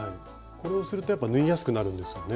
これをするとやっぱ縫いやすくなるんですよね。